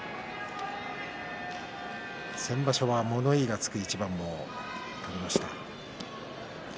先場所は物言いがつく一番もありました。